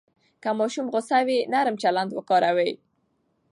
که ماشوم غوسه وي، نرم چلند وکاروئ.